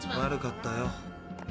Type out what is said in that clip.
悪かったよ。